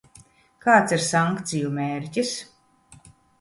Kāds ir sankciju mērķis?